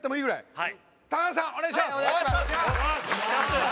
はい。